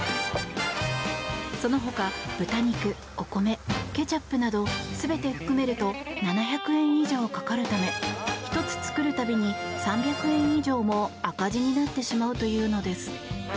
そのほか豚肉、お米、ケチャップなど全て含めると７００円以上かかるため１つ作る度に３００円以上も赤字になってしまうというのです。